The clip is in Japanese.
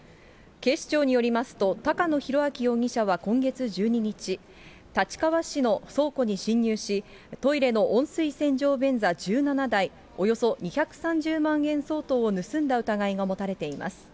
警視庁によりますと、高野裕章容疑者は今月１２日、立川市の倉庫に侵入し、トイレの温水洗浄便座１７台、およそ２３０万円相当を盗んだ疑いが持たれています。